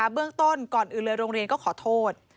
เบื้องต้นก่อนอื่นเลยโรงเรียนก็ขอโทษ